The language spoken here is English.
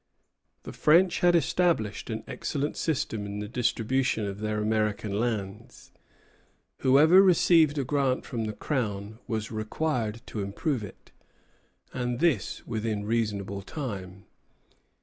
The French had established an excellent system in the distribution of their American lands. Whoever received a grant from the Crown was required to improve it, and this within reasonable time.